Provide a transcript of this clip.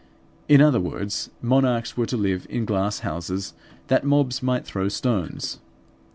In other words, monarchs were to live in glass houses, that mobs might throw stones.